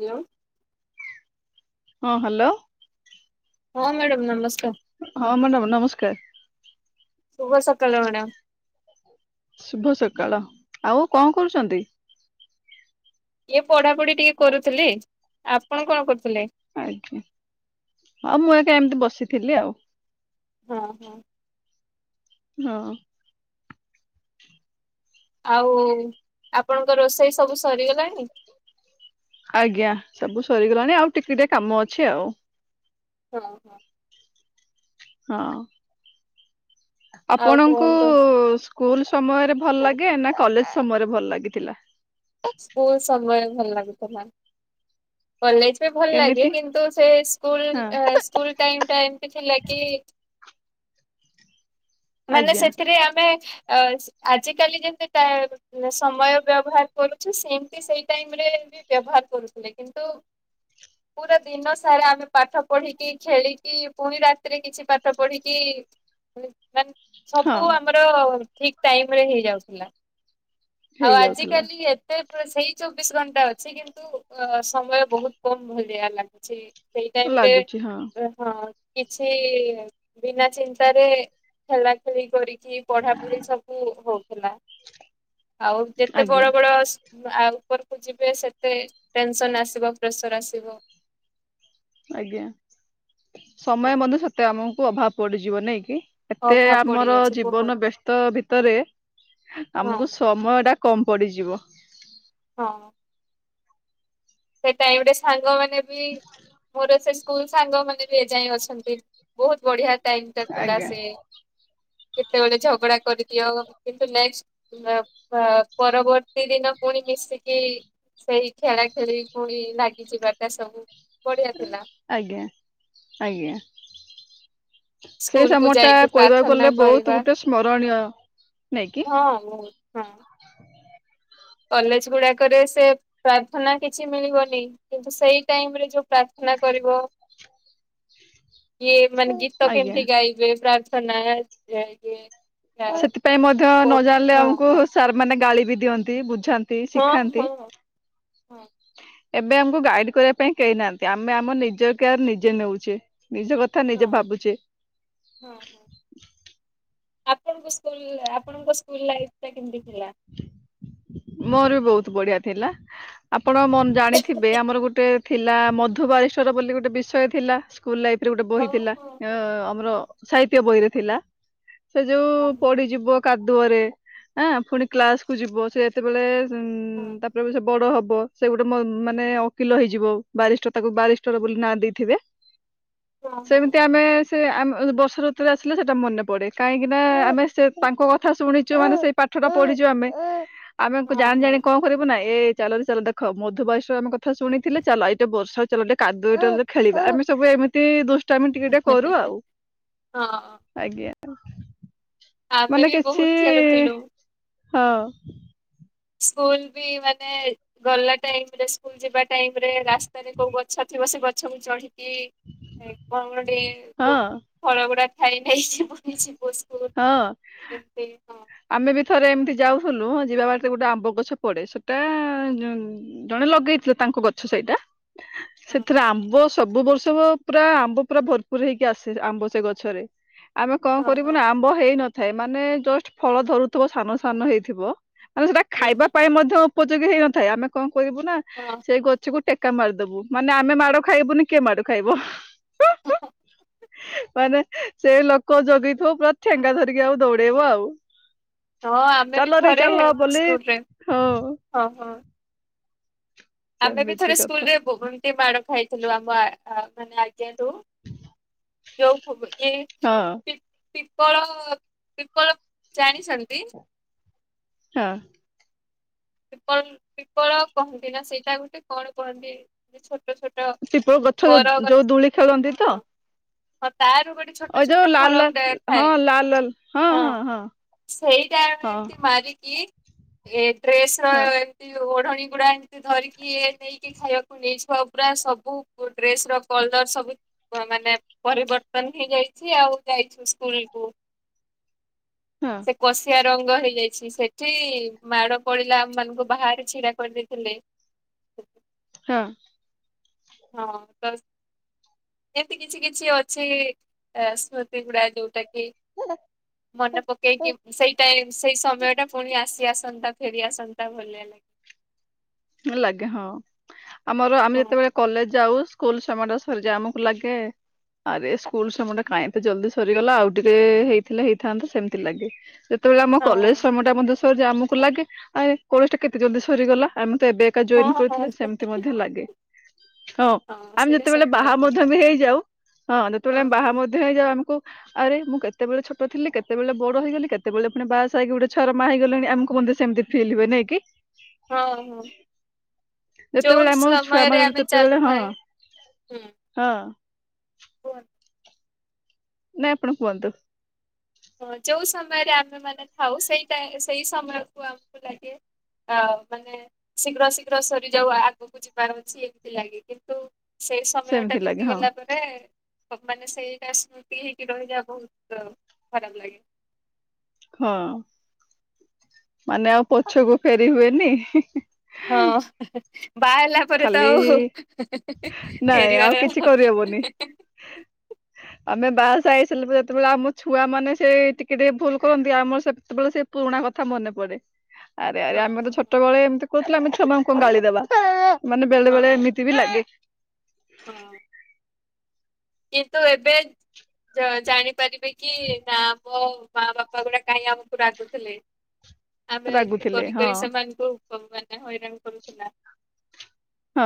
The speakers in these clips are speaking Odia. ହିଓ। ହଁ, ହ୍ୟାଲୋ। ହଁ, ମ୍ୟାଡ଼ାମ୍ ନମସ୍କାର। ହଁ, ମ୍ୟାଡ଼ାମ୍ ନମସ୍କାର। ଶୁଭ ସକାଳ ମାଡ଼ାମ୍। ଶୁଭ ସକାଳ ଆଉ କଣ କରୁଚନ୍ତି? ଇଏ ପଢାପଢି ଟିକେ କରୁଥିଲି। ଆପଣ କଣ କରୁଥିଲେ? ଆଜ୍ଞା, ଆଉ ମୁଁ ଏକା, ଏମିତି ବସିଥିଲି ଆଉ। ହଁ, ହଁ। ହଁ। ଆଉ, ଆପଣଙ୍କ ରୋଷେଇ ସବୁ ସରିଗଲାଣି? ଆଜ୍ଞା, ସବୁ ସରିଗଲାଣି ଆଉ, ଟିକେ ଟିକେ କାମ ଅଛି ଆଉ। ହଁ। ହଁ। ଆଉ ଆପଣଙ୍କୁ କୁହନ୍ତୁ ସ୍କୁଲ୍ ସମୟରେ ଭଲ ଲାଗେ ନା, କଲେଜ ସମୟରେ ଭଲ ଲାଗିଥିଲା? ସ୍କୁଲ୍ ସମୟ ଭଲ ଲାଗୁଥିଲା। କଲେଜ୍ ବି ଭଲ ଲାଗେ, କେମିତି କିନ୍ତୁ ସେ ସ୍କୁଲ୍ ହଁ ସ୍କୁଲ୍ ଟାଇମ୍ ଟା ଏମତି ଥିଲା କି? ମାନେ ଆଜ୍ଞା ସେଥିରେ ଆମେ ଅ ଆଜିକାଲି ଯେମତି ଟା ସମୟ ବ୍ୟବହାର କରୁଛୁ, ସେମତି ସେଇ ଟାଇମ୍ ରେ ବି ବ୍ୟବହାର କରୁଥିଲେ। କିନ୍ତୁ ପୁରା ଦିନ ସାରା ଆମେ ପାଠ ପଢିକି ଖେଳିକି ପୁଣି ରାତିରେ କିଛି ପାଠ ପଢିକି [unintelligible] ମାନେ ହଁ ସବୁ ଆମର ଠିକ ଟାଇମରେ ହେଇଯାଉଥିଲା। ଆଉ ହେଇଯାଉଥିଲା ଆଜିିକାଲି ଏତେ ସେଇ ଚବିଶ ଘଣ୍ଟା ଅଛି କିନ୍ତୁ। ଅ ସମୟ ବହୁତ କମ ଭଳିଆ ଲାଗୁଛି ସେଇ ଟାଇମରେ ଲାଗୁଛି ହଁ ହଁ କିଛି ବିନା ଚିନ୍ତାରେ ଖେଲା ଖେଳି କରିକି। ପଢାପଢି ସବୁ ହଉହେଲା ଆଉ ଯେତେ ଆଜ୍ଞା ବଡ ବଡ ଆଉ ଉପରକୁ ଯିବେ ସେତେ ଟେନସନ ଆସିବ ପ୍ରେସର ଆସିବ। ଆଜ୍ଞା ହଁ ସମୟ ମଧ୍ୟ ସତେ ଆମକୁ ଅଭାବ ପଡିଯିବ ନାଇଁ କି? ଏତେ ଅଭାବ ଆମର ପଡିଯାଉଛି ବହୁତ। ଜୀବନ ବ୍ୟସ୍ତ ଭିତରେ ହଁ ଆମକୁ ସୁ ସମୟଟା କମ ପଡ଼ିଯିବ, ହଁ, ସେ ଟାଇମ୍ ରେ ସାଙ୍ଗ ମାନ ବି ମୋର ସେସ୍ ସ୍କୁଲ ସାଙ୍ଗ ମାନେ ବି ଏ ଯାଇ ଅଛନ୍ତି ବହୁତ ବଢିଆ ଟାଇମ ଟା ଥିଲା ଆଜ୍ଞା ସେ। କେତେବେଳେ ଝଗଡା କରିଦିଅ କିନ୍ତୁ ନେକଷ୍ଟ୍ ହୁଁ ପା ପରବର୍ତ୍ତୀ ଦିନ ପୁଣି ମିଶିକି ସେଇ ଖେଳା ଖେଳି ପୁଣି ଲାଗିଯିବାଟା ସବୁ, ବଢିଆ ହୁଁ ଥିଲା ଆଜ୍ଞା ଆଜ୍ଞା ସେଇ ସ୍କୁଲ କୁ ସମୟ ଟା ଯାଇକି କହିବାକୁ ପ୍ରାର୍ଥନା ଗଲେ ବହୁତ କରିବା ଗୋଟେ ସ୍ମରଣୀୟ ନେଇ କି ହଁ ବୋହୁତ। ହଁ। [unintelligible] କଲେଜ ଗୁଡାକରେ ସେ ପ୍ରାର୍ଥନା କିଛି ମିଳିବନି। କିନ୍ତୁ ସେଇ ଟାଇମ୍ ରେ ଯୋଉ ପ୍ରାର୍ଥନା କରିବ, ଇଏ ମାନେ ଗୀତ ଆଜ୍ଞା କେମିତି ଗାଇବେ ପ୍ରାର୍ଥନା ଆଜ୍ଞା ଆଜ୍ଞା, ଏଁ ସେଥିପାଇଁ ମଧ୍ୟ ନ ଜାଣିଲେ ଆମକୁ ହଁ ସାର୍ ମାନେ ଗାଳି ବି ଦିଅନ୍ତି ବୁଝା ନ୍ତି ହଁ ଶିଖାନ୍ତି। ହଁ ହଁ। ଏବେ ଆମକୁ ଗାଇଡ୍ କରିବା ପାଇଁ କେହି ନାହାନ୍ତି ଆମେ ଆମ ନିଜ କେୟାର ନିଜେ ନେଉଛେ ନିଜ କ ହଁ ହଁ ହଁ ଆପଣଙ୍କ ସ୍କୁଲ ଆପଣଙ୍କ ସ୍କୁଲ ଲାଇଫ୍ ଟା କେମିତି ଥିଲା? ମୋର ବି ବହୁତ ବଢିଆ ଥିଲା ଆପଣ ମନ୍ ଜାଣିଥିବେ ଆମର ଗୋଟେ ଥିଲା ମଧୁବାରିଷ୍ଟର ବୋଲି ଗୋଟେ ବିଷୟ ଥିଲା ସ୍କୁଲ ଲାଇଫ୍ ରେ ଗୋଟେ ହଁ ବହି ଥିଲା। ହଁ ଏଁ ହଁ। ଅ ଅମର ସାହିତ୍ୟ ବହିରେ ଥିଲା ସେ ହଁ ଯୋଉ ହଁ ପଡି଼ଯିବ କାଦୁଅରେ ହଁ ପୁଣି କ୍ଲାସ କୁ ଯିବ ସେ ଯେତେବେଳେ ଉଁ ହଁ ତାପରେ ବି ସେ ବଡ଼ ହବ ସେ ଗୋଟେ ମ ମାନେ ଓକିଲ ହେଇଯିବ ବାଲିଷ୍ଟର ତାକୁ ବାରିଷ୍ଟର ବୋଲି ନାଁ ଦେଇଥିବେ। ହଁ ସେମିତି ଆମେ ସେ ଆମେ ବର୍ଷା ଋତୁରେ ଆସିଲେ ସେଟା ମନେ ପଡେ କାହିଁକି ନା ଆମେ ସେ ତାଙ୍କ କଥା ଶୁଣିଛୁ ମାନେ ସେ ପାଠ ଟା ପଢି଼ଛୁ ଆମେ ଆମେ ହଁ ହଁ ହଁ। ଜାଣିଜାଣି କଁ କରିବୁ ନାଁ ଏ ଚାଲରେ ଚାଲ ଦେଖ ମଧୁବାଲିଷ୍ଟରଙ୍କ କଥା ଶୁଣିଥିଲେ ଚାଲ ଏଇ ଯୋଉ ବର୍ଷା ହେଉଚି ଚାଲ ଟିକେ କାଦୁଅଟାରେ ଖେଳିବା ଆମେ ସବୁ ଏମିତି ଦୁଷ୍ଟାମି ଟିକେ-ଟିକେ କରୁ ଆଉ ଆଜ୍ଞା। ଆମେ ମାନେ ବି କିଛି ବହୁତ ଖେଳୁଥିଲୁ। ହଁ, ସ୍କୁଲ ବି ମାନେ ଗଲା ଟାଇମ୍ ରେ ସ ସ୍କୁଲ ଯିବା ଟାଇମ ରେ ରାସ୍ତାରେ କୋଉ ଗଛ ଥିବ ସେ ଗଛକୁ ଚଢ଼ିକି, ଏଇ ଫଳ ଗୋଟିଏ ଯୋଉ ହଁ। ଫଳ ଗୁଡ଼ା ଖାଇଖାଇ [unintelligible] ହଁ ଆମେ ବି ଥରେ ଏମିତି ଯାଉଥୁଲୁ ଯିବା ବାଟେ ଗୋଟେ ଆମ୍ବ ଗଛ ପଡ଼େ ସେଟା ଯ ଉଁ ଜଣେ ଲଗେଇଥିଲେ ତାଙ୍କୁ ଗଛ ସେଇଟା। ସେଥିରେ ଆମ୍ବ ସବୁ ବର୍ଷ ପ ପୁରା ଆମ୍ବ ପୁରା ଭର୍ ପୁର୍ ହେଇକି ଆସେ ଆମ୍ବ ସେ ଗଛରେ। ଆମେ କଁ ହଁ ହଁ କରିବୁ ହଁ ନା ଆମ୍ବ ହେଇନଥାଏ ମାନେ ଜଷ୍ଟ ଫଳ ଧରୁଥୁବ ସାନ-ସାନ ହେଇଥିବ। ଆମେ ସେଟା ହୁଁ ଖାଇବା ହୁଁ ପାଇଁ ମଧ୍ୟ ଉପଯୋଗୀ ହେଇନଥାଏ ଆମେ କଣ କରିବୁ ନା ସେଇ ଗ ଛକୁ ଟେକା ମାରିଦେବୁ ମାନେ ଆମେ ମାଡ଼ ଖାଇବୁନି କିଏ ମାଡ ଖାଇବ। ହଁ। ମାନେ ସେ ଲୋକ ଜଗିଥିବ ପୁରା ଠେଙ୍ଗା ଧରିକି ଆଉ ଦୌଡ଼େଇବ ଆଉ। ହଁ ଆମେ ବି ଚାଲରେ ଚାଲ ବୋଲି ହଁ-ହଁ। ଆମେ ବି ସେମିତି ଥରେ ସ୍କୁଲ କଥା ରେ ବୁ ଏମତି ମାଡ଼ ଖାଇଥିଲୁ [unintelligible] ଯଉ ଫୁବୁ ଇଏ ହଁ। ତି ତିପଳ ତିପଳ ଜାଣିଛନ୍ତି। ହଁ। ତ୍ରିପଲ ତ୍ରିପଳ କହନ୍ତି ନା ସେଇଟା ଗୋଟେ କଣ କୁହନ୍ତି ଯେ ଛୋଟ ଛୋଟ। ତ୍ରିପଳ ଗଛ ବର ଗଛ ଯୋଉ ଦୁଳି ଖେଳନ୍ତି ହଁ ତ। ହଁ ତାର ଗୋଟେ ଛୋଟ ଓ ଯୋଉ ଛୋଟ ଲାଲ ଫଳ ପ୍ରାୟେ ଗୁଡା ଲାଲ ହଁ ଥାଏ ଲାଲ ଲାଲ ହଁ। ସେଇଟା ଆମେ ଏମତି ହଁ ମାରିକି ଏ ଡ୍ରେସ ର ଏମତି ଓଢଣୀ ଗୁଡାଏ ଧରିକି ଏ ନେଇକି ଖାଇବାକୁ ନେଇ [inaudible] ପୁରା ସବୁ ଡ୍ରେସ ର କଲର ସବି ବ ମାନେ ପରିବର୍ତ୍ତନ ହେଇଯାଇଛି ଆଉ ଯାଇଛୁ ସ୍କୁଲ କୁ। [inaudible] ହୁଁ। କଷିଆ ରଙ୍ଗ ହେଇଯାଇଛି ସେଠି ମାଡ ପଡିଲା ଆମ ମାନଙ୍କୁ ବାହାରେ ଛିଡା କରିଦେଇଥିଲେ। ହଁ। ହଁ ତାସ୍ ଏମିତି କିଛି କିଛି ଅଛି ଏ ସ୍ମୃତି ଗୁଡା ଯୋଉଟା କି ମନେ ପକେଇକି ହଁ ସେଇ ଟାଇ ସେଇ ସମୟ ଟା ପୁଣି ଆସି ଆସନ୍ତା ଫେରିଆସନ୍ ପ୍ରାୟ ଭୁଲେନି ଲାଗେ ହଁ ଆମର ଆମେ ହଁ ଯେତେବେଳେ କଲେଜ ଯାଉ ସ୍କୁଲ ସମୟ ଟା ସରିଯାଏ ଆମକୁ ଲାଗେ ଆରେ ସ୍କୁଲ ସମୟ ଟା କାଇଁ ଏତେ ଜଲ୍ଦି ସରିଗଲା ଆଉ ଟିକେ ହେଇଥିଲା ହେଇଥାନ୍ତା ସେମିତି ଲାଗେ। [inaudible] ସେତେବେଳେ ଆମ କଲେଜ ସମୟଟା ମଧ୍ୟ ସରଯାଏ ଆମକୁ ଲାଗେ ଆ ଏ କଲେଜ ଟା କେତେ ଜଲଦି ସରିଗଲା ଆମେ ତ ଏବେ କା ଜଏନ୍ ହଁ ହଁ କରିଥିଲେ ସେମିତି ମଧ୍ୟ ଲାଗେ। ହଁ ଆମେ ସେଇଟା ଯେତେବେଳେ ସତ ବାହା କଥା ମଧ୍ୟ ଆମେ ହେଇଯାଉ ହଁ ଯେତେବେଳେ ଆମେ ବାହା ମ ହେଇଯାଉ ଆମୁକୁ ଆରେ ମୁଁ କେତେବେଳେ ଛୋଟ ଥିଲି କେତେବେଳେ ବଡ ହେଇଗଲି କେତେ ବେଳେ ଫୁଣି ବାହା ସା ହେଇକି ଗୋଟେ ଛୁଆର ମା ହେଇଗଲେଣି ଆମକୁ ମଧ୍ୟ୍ୟ ସେମତି ଫିଲ୍ ହୁଏ ନାଇଁ କି। ହଁ ହଁ। ଯୋଉ ଯେତେବେଳେ ଆମ ସମୟରେ ଛୁଆମାନେ ଆମେ ତେତେବେଳେ ହଁ ଚାଲୁଥାଏ ହଁ କୁହନ୍ ନା ଆପଣ କୁହନ୍ତୁ। ହଁ ଯୋଉ ସମୟରେ ଆମେ ମାନେ ଥାଉ ସେଇ ଟା ସେଇ ସମୟକୁ ଆମକୁ ଲାଗେ ଅ ମାନେ ଶୀଘ୍ର ଶୀଘ୍ର ସରିଯାଉ ଆଗକୁ ଯିବାର ଅଛି ଏମିତି ଲାଗେ କିନ୍ତୁ ସେଇ ସମୟ ଟା ସେମିତି ଲାଗେ ବିତିଗଲା ହଁ ଗଲା ପ ରେ କମ୍ପାନୀ ରେ ସେଇଟା ସ୍ମୃତି ହେଇକି ରହିଯାଏ ବୋହୁତ୍ ଖ-ଖରାପ୍ ଲାଗେ। ହଁ। ମାନେ ଆଉ ପଛକୁ ଫେରି ହୁଏନି ହି- ହି। ହଁ। ବାହା ହେଲା ପରେ ତ ଖାଲି ଆଉ [unintelligible] ନାଇଁ ଆଉ ଫେରିବାର। କିଛି କରିହବନି [inaudible] ଆମେ ବାହାଶାହା ହେଇସାର୍ଲା ଯେତେବେଳେ ଆମ ଛୁଆ ମାନେ ସେ ଟିକେ ଟିକେ ଭୁଲ୍ କରନ୍ତି ଆମର ସେତ୍ ବେଳେ ସେ ପୁରୁଣା କଥା ମନେ ପଡେ। [inaudible] ଆରେ ଆରେ ଆମେ ହଁ ତ ଛୋଟ ବେଳେ ଏମିତି କୁରୁଥିଲେ ଆମେ ଛୁଆଙ୍କୁ ମାନଙ୍କୁ କଣ ଗାଳି ଦେବା। ମାନେ ବେଳେ ବେଳେ ଏମିତି ବି ଲାଗେ। ଉଁ- ଉ। କିନ୍ତୁ ଏବେ ଜା- ଜାଣିପାରିବେ କି ନା। ମୋ ମା ବାପା ଗୁଡା କାହିଁ ଆମ୍ କୁ ରାଗୁଥିଲେ। ଆମେ ଏମତି ରାଗୁଥିଲେ କରି ହଁ କରି ସେମାନଙ୍କୁ ମା- ମାନେ ହଇରାଣ୍ କରୁଥିଲା। ହଁ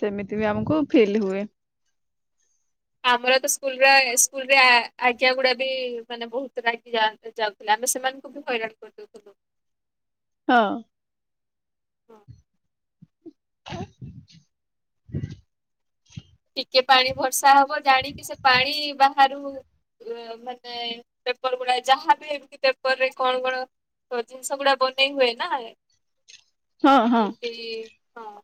ସେମିତି ବି ଆମକୁ ଫିଲ୍ ହୁଏ। ଆମର ତ ସ୍କୁଲ୍। [unintelligible] ଯାଉଥିଲା, ଆମେ ସେମାନଙ୍କୁ ବି ହଇରାଣ୍ କର୍ ଦୋଉଥିଲୁ। ହଁ ଅଁ। [inaudible] ଟିକେ ପାଣି ଭର୍ଷା ହବ ଜାଣିକି ସେ ପାଣି ବା ଠାରୁ ମାନେ ପେପର୍ ଗୁଡା ଯାହାବି ଏମିତି ପେପରରେ କଣ କଣ ତ ଜିନିଷ ଗୁଡା ବନେଇ ହୁଏ ନାଇଁ? ହଁ- ହଁ। କି ହଁ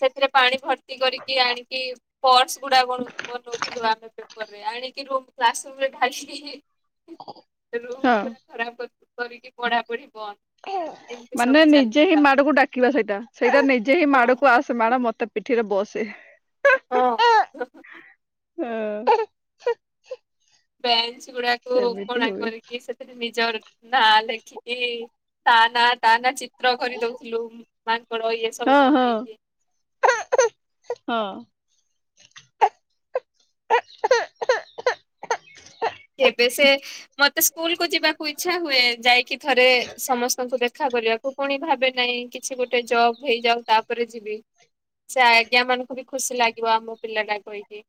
ସେଥିରେ ପାଣି ଭର୍ତ୍ତି କରିକି ଆଣିକି ପର୍ସ ଗୁଡା ବନ୍- ବନୋଉଥିଲୁ ଆମେ ପେପର୍ ରେ ଆଣିକି ରୁମ୍ କ୍ଲାସ୍ ରୁମ୍ ରେ ଢାଳିକି ହି ହି ରୁମ୍ ହଁ। ପୁରା ଖରାପ୍ କରିକି ପଢାପଢି ବନ୍ଦ୍। ମାନେ ନିଜେ ହିଁ ମାଡକୁ ଡାକିବା ସେଇଟା, ସେଇଟା ନିଜେ ହିଁ ହଁ। ମାଡକୁ ଆସ ସେ ମାଡ ମତେ ପିଠି ରେ ବସେ। ହଁ ଅଁ ହୁଁ ଉଁ ବେଞ୍ଚ୍ ଗୁଡାକୁ ସେମିତି କଣା ହୁଏ କରିକି ସେଥି ସେଠି ନିଜର୍ ନାଁ ଲେଖିକି ତା ନାଁ ତା ନାଁ ଚି ଚିତ୍ର କରିଦୋଉଥିଲୁ ମାଙ୍କଡ ଇଏ ହଁ ସବୁ ହଁ ବନେଇକି। [unintelligible] ହଁ ଅଁ କେବେ ସେ ମତେ ସ୍କୁଲ୍ କୁ ଯିବାକୁ ଇଚ୍ଛା ହୁଏ ଯାଇକି ଥରେ ସମସ୍ତଙ୍କୁ ଦେଖ୍ ଦେଖା କରିବାକୁ ପୁଣି ଭାବେ ନାହିଁ କିଛି ଗୋଟେ ଜବ୍ ହେଇଯାଉ ତାପରେ ଯିବି। ସେ ଆଜ୍ଞା ମାନଙ୍କୁ ବି ଖୁସି ଲାଗିବ ଆମ ପିଲାଟାକୁ ଦେଖିକି।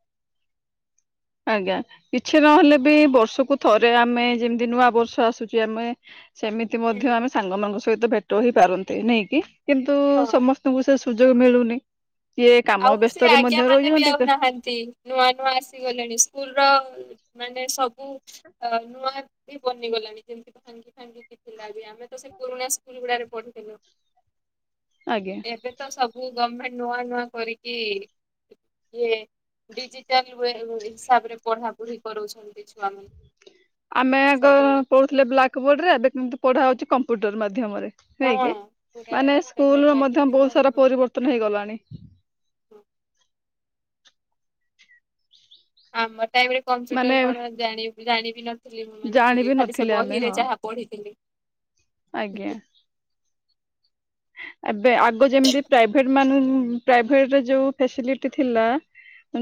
ଆଜ୍ଞ କିଛି ନହେଲେ ବି ବର୍ଷକୁ ଥରେ ଆମେ ଯେମିତି ନୂଆ ବର୍ଷ ଆସୁଚି ଆମେ ସେମିତି ମଧ୍ୟ ହୁଁ ଆମେ ସାଙ୍ଗମାନଙ୍କ ସହିତ ଭେଟ ହେଇ ପାରନ୍ତେ ନାଇଁ କି କିନ୍ତୁ ହଁ। ସମସ୍ତଙ୍କୁ ସେ ସୁ ସୁଯୋଗ ମିଳୁନି କିଏ କାମ ବ୍ୟସ୍ତରେ ମଧ୍ୟ ରହିଛନ୍ତି ଆଜି ନୂଆ ନୂଆ ଆସିଗଲେଣି, ସ୍କୁଲ୍ ର ମାନେ ସବୁ ଅ ନୂଆ ବି ବନିଗଲାଣି ଯେମିତି [unintelligible] ଭାଙ୍ଗିକି ଥିଲା ବି ଆମେ ତ ସେ ପୁରୁଣା ସ୍କୁଲ ଗୁଡାରେ ପଢୁଥିଲୁ। ଆଜ୍ଞା। ଏବେ ତ ସବୁ ଗମେଣ୍ଟ ନୂଆ ନୂଆ କରିକି ଇଏ ଡିଜିଟାଲ ୱୟେ ହିସାବରେ ପଢାପଢି କରଉଛନ୍ତି ଛୁଆମାନଙ୍କୁ। ଆମେ ଆଗ ପଢୁଥିଲେ ବ୍ଲାକ୍ ବୋର୍ଡ ରେ ଏବେ କିନ୍ତୁ ପଢା ହଉଛି କମ୍ପ୍ୟୁଟର ମାଧ୍ୟମରେ। ହେଇ କି ହଁ ପୁରା ମାନେ ସ୍କୁଲ ଇଣ୍ଟରନେଟ ର ମଧ୍ୟ ଲାଗିଥିବ। ବହୁତ ସାରା ପରିବର୍ତ୍ତନ ହେଇଗଲାଣି। ଆମ ଟାଇମ ରେ କମ୍ପ୍ୟୁଟର ମାନେ କଣ ଜାଣି ଜାଣିବି ନଥିଲି ମୁଁ ମାନେ ଟିକେ ଜାଣିବି ଖାଲି ସେ ନଥିଲେ ଆମେ ବହିରେ ହଁ ଯାହା ପଢ଼ିଥିଲି। ଆଜ୍ଞା। ଏବେ ଆଗ ଯେମିତି ପ୍ରାଇଭେଟ ମାନ ପ୍ରାଇଭେଟର ଯୋଉ ଫେସିଲିଟି ଥିଲା ଆ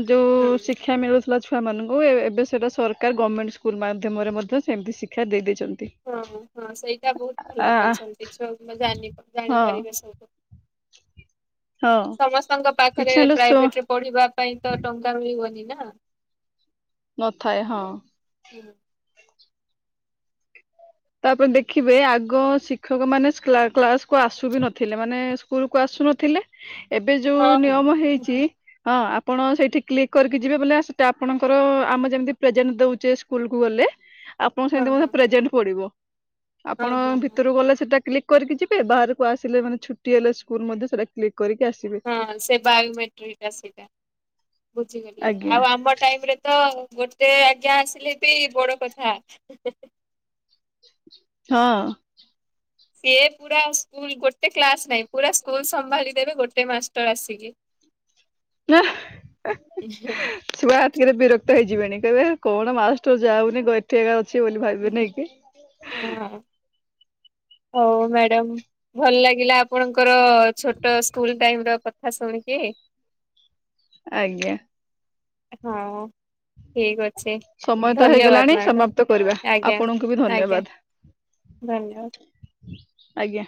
ଯୋଉ ହୁଁ। ଶିକ୍ଷା ମିଳୁ ଥିଲା ଛୁଆମାନଙ୍କୁ ଏବେ ସେଇଟା ସରକାର ଗମେଣ୍ଟ ସ୍କୁଲ ମାଧ୍ୟମରେ ମଧ୍ୟ ସେମିତି ଶିକ୍ଷା ଦେଇ ଦେଇଛନ୍ତି। ହଁ ହଁ ସେଇଟା ବହୁତ ଆ ଭଲ କରିଛନ୍ତି ଛୁଆ ମାନେ ଯାନୀ ହଁ ଜାଣିପାରିବେ ସବୁ। ହଁ ସମସ୍ତଙ୍କ ପାଖରେ କିଛି ହେଲେ ସୋ ପ୍ରାଇଭେଟରେ ପଢିବା ପାଇଁ ତ ଟଙ୍କା ମିଳିବନି ନା। ନଥାଏ। ହଁ ହୁଁ। ତାପରେ ଦେଖିବେ ଆଗ ଶିକ୍ଷକ ମାନେ କ୍ଲା କ୍ଲାସକୁୁ ଆସୁବିନଥିଲେ ମାନେ ସ୍କୁଲ କୁ ଆସୁନଥିଲେ ଏବେ ଯୋଉ ହଁ ନିୟମ ହେଇଛି ହଁ ହଁ ଆପଣ ସେଇଠି କ୍ଲିକ୍ କରିକି ଯିବେ ବୋଲେ ସେଟା ଆପଣଙ୍କର ଆମେ ଯେମିତି ପ୍ରେଜେଣ୍ଟ ଦଉଚେ ସ୍କୁଲ କୁ ଗଲେ ଆପଣଙ୍କ ହଁ ସେନ୍ତି ମଧ୍ୟ ପ୍ରେଜେଣ୍ଟ ପଡିବ। ହଁ ଆପଣ ହଁ ହଁ। ଭିତରରୁ ଗଲେ ସେଟା କ୍ଲିକ୍ କରିକି ଯିବେ ବାହାରକୁ ଆସିଲେ ମାନେ ଛୁଟି ହେଲେ ସ୍କୁଲ ମଧ୍ୟ ସେଟା କ୍ଲିକ କରିକି ଆସିବେ। ହଁ ସେ ବାୟୋମେଟ୍ରିକଟା ସେଇଟା। ବୁଝିଗଲି ଆଜ୍ଞା ଆଉ ଆମ ଟାଇମରେ ତ ଗୋ ଟେ ଆଜ୍ଞା ଆସିଲେ ବି ବଡ କଥା ହଁ ସିଏ ପୁରା ସ୍କୁଲ ଗୋଟେ କ୍ଲାସ ନାଇଁ ପୁରା ସ୍କୁଲ ସମ୍ଭାଳି ଦେବେ ଗୋଟେ ମାଷ୍ଟର ଆସିକି। [inaudible] [inaudible] ଛୁଆ ହେତିକରେ ବିରକ୍ତ ହେଇଯିବେଣି କହିବେ କଣ ମାଷ୍ଟର ଯାଉନି ଗ ଏଠିଏକା ଅଛି ବୋଲି ଭାବିବେ ନାଇ କି? ହଁ ହଉ ମ୍ୟାଡମ ଭଲ ଲାଗିଲା ଆପଣଙ୍କର ଛୋଟ ସ୍କୁଲ ଟାଇମ ର କଥା କଥା ଶୁଣିକି ଆଜ୍ଞା ହଁ ଠିକ ଅଛି ସମୟ ତ ହେଇଗଲାଣି ଧନ୍ୟବାଦ ମ୍ୟାଡାମ ସମାପ୍ତ କରିବା ଆଜ୍ଞା ଆପଣଙ୍କୁ ବି ଆଜ୍ଞା ଧନ୍ୟବାଦ ଧନ୍ୟବାଦ ଆଜ୍ଞା